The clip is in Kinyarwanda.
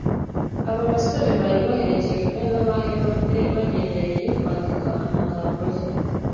Abo basore bari baherekejwe n'abaherode bagendereye kwandika amagambo ye;